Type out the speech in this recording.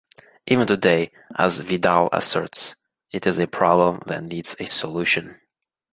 Even today, as Vidal asserts, it is a problem that needs a solution.